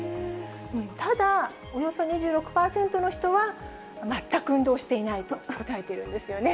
ただ、およそ２６％の人はまったく運動していないと答えているんですよね。